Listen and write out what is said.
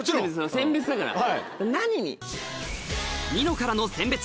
餞別だから何に？